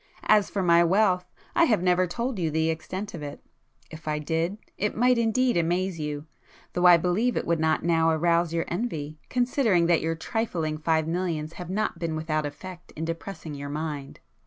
As for my wealth,—I have never told you the extent of it; if I did, it might indeed amaze you, though I believe it would not now arouse your envy, considering that your trifling five millions have not been without effect in depressing your mind.